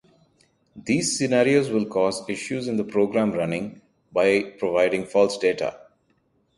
These scenarios will cause issues in the program running by providing false data.